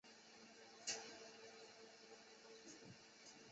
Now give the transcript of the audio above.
林爽文红花介为鱼形介科红花介属下的一个种。